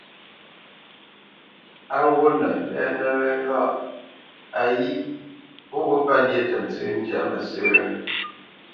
Á ghwûʼnə mbɛ́nə́ wê ŋgâʼ:‹‹ayí ó ghwût pə́ lyé tə ntsə́ ndyâ mə sə̂?